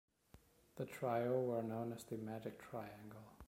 The trio were known as the "magic triangle".